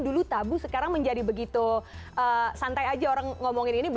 dulu tabu sekarang menjadi begitu santai aja orang ngomongin ini